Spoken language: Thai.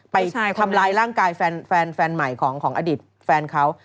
ไปทำลายร่างกายแฟนใหม่ของอดิตฯเช่นเฟนเขา